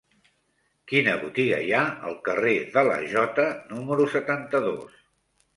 Quina botiga hi ha al carrer de la Jota número setanta-dos?